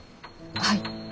はい。